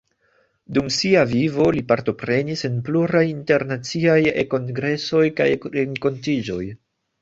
Dum sia vivo li partoprenis en pluraj internaciaj e-kongresoj kaj renkontiĝoj.